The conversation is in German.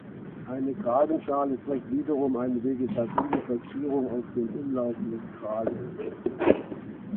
Eine Kragenschale trägt wiederum eine vegetabile Verzierung auf dem umlaufenden Kragen.